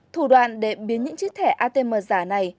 thủ đoạn để biến những chiếc thẻ atm giả này